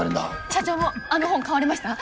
社長もあの本買われました？